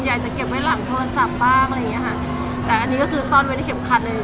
อยากจะเก็บไว้หลังโทรศัพท์บ้างอะไรอย่างเงี้ค่ะแต่อันนี้ก็คือซ่อนไว้ในเข็มขัดเลย